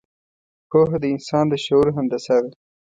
پوهه د انسان د شعور هندسه ده.